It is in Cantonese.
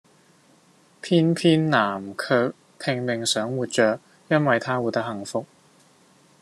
偏偏南卻拼命想活著，因為她活得幸福